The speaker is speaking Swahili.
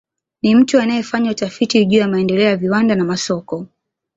Ni mtu anayefanya tafiti juu ya maendeleo ya viwanda na masoko